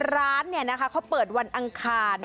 ร้านเนี่ยนะคะเขาเปิดวันอังคาร